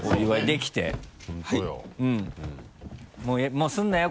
もうするなよ！